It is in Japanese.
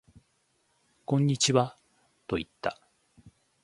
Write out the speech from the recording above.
こんにちはと言った